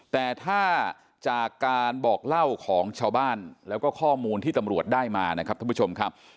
แต่ถ้าจากการบอกเล่าของชาวบ้านแล้วก็ข้อมูลที่ตำรวจได้มานะครับท่านผู้ชมครับ